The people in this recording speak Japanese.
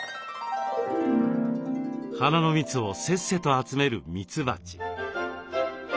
花の蜜をせっせと集めるミツバチ。